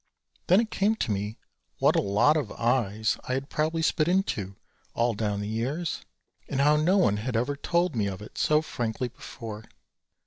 Then it came to me what a lot of eyes I had probably spit into all down the years, and how no one had ever told me of it so frankly before.